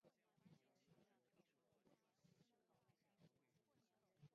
先世彭城郡刘氏。